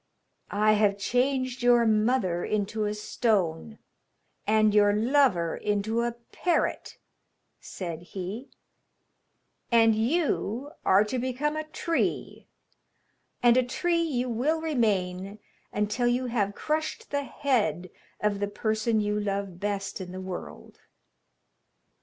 'I have changed your mother into a stone, and your lover into a parrot,' said he, 'and you are to become a tree, and a tree you will remain until you have crushed the head of the person you love best in the world.